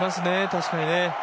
確かにね。